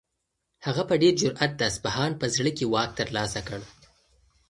هغه په ډېر جرئت د اصفهان په زړه کې واک ترلاسه کړ.